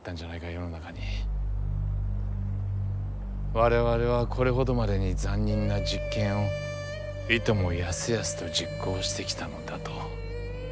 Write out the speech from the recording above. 我々はこれほどまでに残忍な実験をいともやすやすと実行してきたのだと。